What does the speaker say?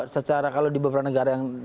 secara kalau di beberapa negara yang